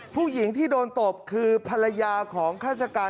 ผู้หญิงที่โดนตบคือภรรยาของฆาติการ